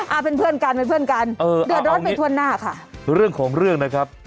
อ่าเป็นเพื่อนกันเป็นเพื่อนกันเออเดือดร้อนไปทั่วหน้าค่ะเรื่องของเรื่องนะครับ